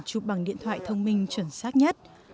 chụp bằng điện thoại thông minh chuẩn xác nhất